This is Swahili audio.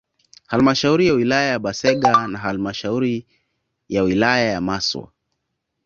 Halmashauri ya wilaya ya Busega na halmashauri ya wilaya ya Maswa